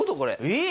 えっ！？